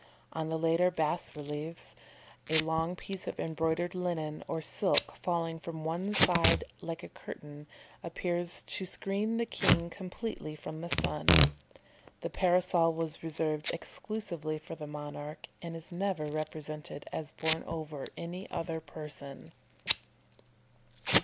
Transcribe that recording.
On the later bas reliefs, a long piece of embroidered linen or silk falling from one side like a curtain, appears to screen the king completely from the sun. The parasol was reserved exclusively for the monarch, and is never represented as borne over any other person."